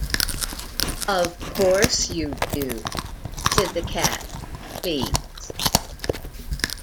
"Of course you do,"said the Cat, pleased.